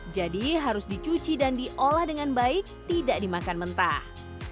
jadi harus dicuci dan diolah dengan baik tidak dimakan mentah